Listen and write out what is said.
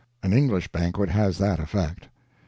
An English banquet has that effect.